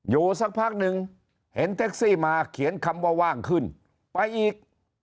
สักพักหนึ่งเห็นแท็กซี่มาเขียนคำว่าว่างขึ้นไปอีก